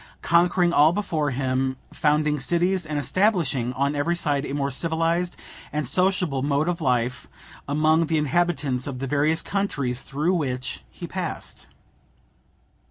conquering all before him, founding cities, and establishing on every side a more civilized and sociable mode of life among the inhabitants of the various countries through which he passed.